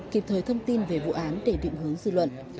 kịp thời thông tin về vụ án để định hướng dư luận